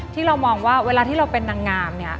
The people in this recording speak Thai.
ที่เรามองว่าเวลาที่เราเป็นนางงามเนี่ย